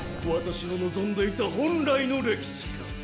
私の望んでいた本来の歴史が。